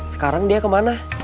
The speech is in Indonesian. sekarang dia kemana